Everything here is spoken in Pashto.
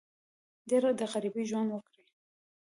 ډېر د غریبۍ ژوند وکړ.